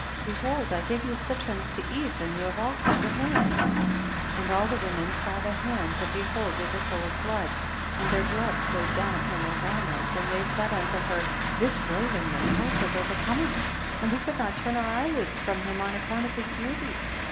behold I gave you citrons to eat and you have all cut your hands. 32. And all the women saw their hands, and behold they were full of blood, and their blood flowed down upon their garments, and they said unto her, tliis slave in your house has overcome us, and we could not turn our eyelids from him on account of his beauty.